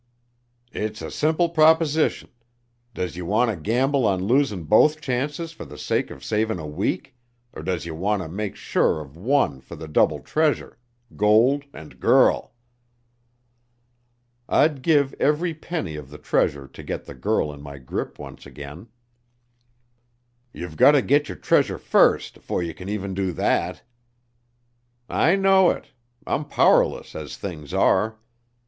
"It's a simple proposition; does ye want ter gamble on losin' both chances fer th' sake of savin' a week, or does yer wanter make sure of one fer the double treasure gold and girl?" "I'd give every penny of the treasure to get the girl in my grip once again." "Ye've gotter git yer treasure fust afore ye can even do thet." "I know it. I'm powerless as things are.